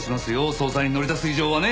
捜査に乗り出す以上はね！